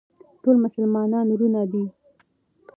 ټول مسلمانان وروڼه دي.